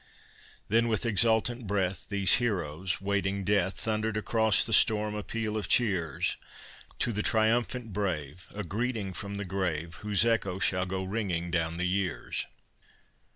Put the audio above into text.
Then, with exultant breath, These heroes waiting death, Thundered across the storm a peal of cheers, To the triumphant brave A greeting from the grave, Whose echo shall go ringing down the years.